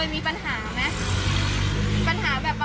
ไม่ยอมจ่ายเงินหนีขึ้นห้องอะไรอีกแล้วค่ะ